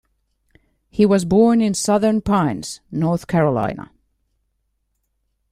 He was born in Southern Pines, North Carolina.